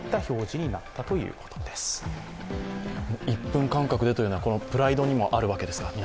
１分間隔でというのはプライドにもあるわけですか？